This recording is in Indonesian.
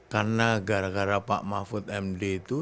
karena gara gara pak mahfud md itu